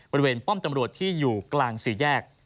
ป้อมตำรวจที่อยู่กลางสี่แยก